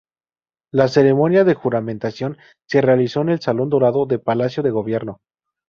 La ceremonia de juramentación se realizó en el Salón Dorado de Palacio de Gobierno.